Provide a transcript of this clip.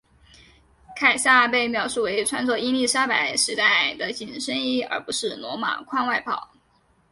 凯撒被描述为穿着伊丽莎白时代的紧身衣而不是罗马宽外袍。